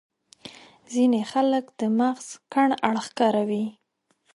ځينې خلک د مغز کڼ اړخ کاروي.